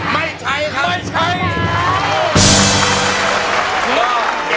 ไม่ใช้